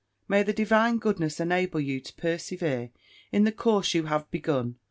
May the Divine goodness enable you to persevere in the course you have begun!